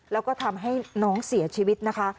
แล้วก็ทำให้น้องเสียชีวิตนะคะ